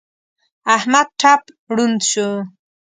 احمد ټپ ړوند شو.